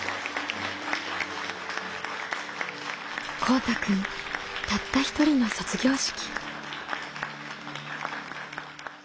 こうたくんたった一人の卒業式。